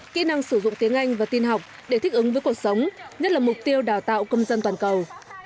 kỹ năng sử dụng tiếng anh và tin học để thích ứng với cuộc sống nhất là mục tiêu đào tạo công dân toàn cầu